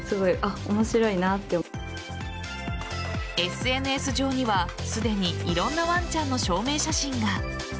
ＳＮＳ上には、すでにいろんなワンちゃんの証明写真が。